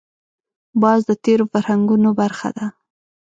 باز د تېرو فرهنګونو برخه ده